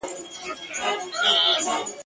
سوځلی مي باروتو د تنکۍ حوري اوربل دی ..